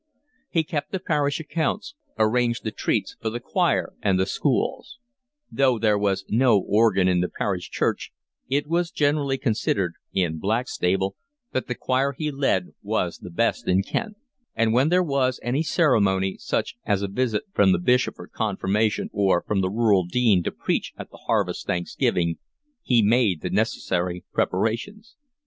He kept the parish accounts, arranged the treats for the choir and the schools; though there was no organ in the parish church, it was generally considered (in Blackstable) that the choir he led was the best in Kent; and when there was any ceremony, such as a visit from the Bishop for confirmation or from the Rural Dean to preach at the Harvest Thanksgiving, he made the necessary preparations.